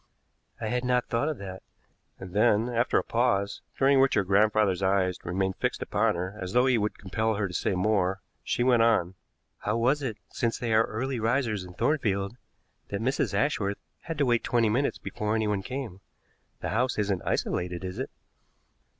"I had not thought of that." And then, after a pause, during which her grandfather's eyes remained fixed upon her as though he would compel her to say more, she went on: "How was it, since they are early risers in Thornfield, that Mrs. Ashworth had to wait twenty minutes before anyone came? The house isn't isolated, is it?"